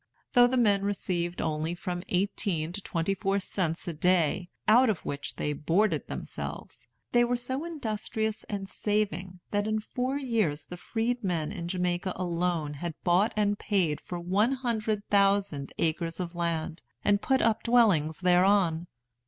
Though the men received only from eighteen to twenty four cents a day, out of which they boarded themselves, they were so industrious and saving that in four years the freedmen in Jamaica alone had bought and paid for one hundred thousand acres of land, and put up dwellings thereon.